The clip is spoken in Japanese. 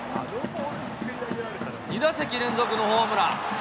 ２打席連続のホームラン。